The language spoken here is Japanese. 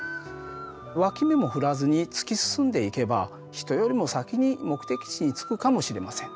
脇目も振らずに突き進んでいけば人よりも先に目的地に着くかもしれません。